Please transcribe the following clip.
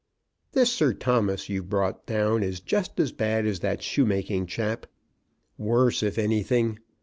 This Sir Thomas you've brought down is just as bad as that shoemaking chap; worse if anything.